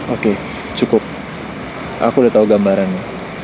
oke cukup aku udah tahu gambarannya